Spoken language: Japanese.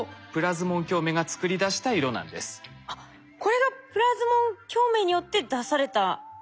実はこのあっこれがプラズモン共鳴によって出された赤い色？